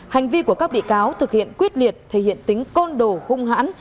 hành vi của các bị cáo thực hiện quyết liệt thể hiện tính côn đồ hung hãn